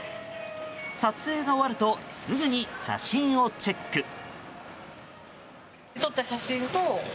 撮影が終わるとすぐに写真をチェック。